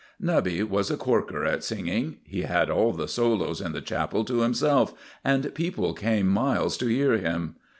Nubby was a corker at singing. He had all the solos in the chapel to himself, and people came miles to hear him.